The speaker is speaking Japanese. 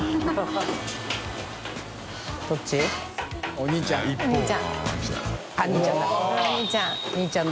お兄ちゃん。